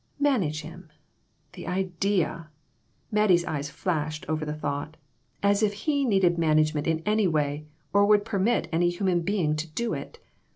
" Manage him !" The idea ! Mattie's eyes flashed over the thought. As if he needed man agement in any way, or would permit any human being to do it.